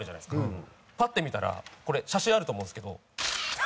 パッて見たらこれ写真あると思うんですけど。